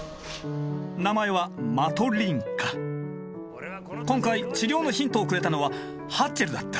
名前は今回治療のヒントをくれたのはハッチェルだった。